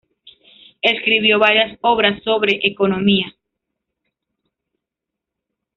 Escribió varias obras sobre economía.